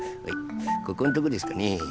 ここんとこですかね？